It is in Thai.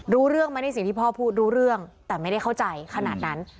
รู้เรื่องไหมในสิ่งที่พ่อพูดรู้เรื่องแต่ไม่ได้เข้าใจขนาดนั้น